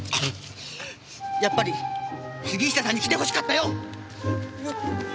やっぱり杉下さんに来て欲しかったよ！